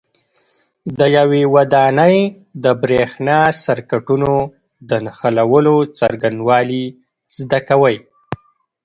د یوې ودانۍ د برېښنا سرکټونو د نښلولو څرنګوالي زده کوئ.